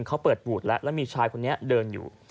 เขาเปิดบูดแล้วแล้วมีชายคนนี้เดินอยู่